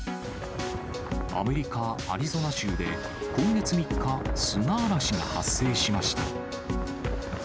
アメリカ・アリゾナ州で今月３日、砂嵐が発生しました。